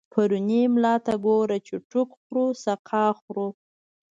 پرونی ملا ته گوره، چی ټوک خورو سقاط خورو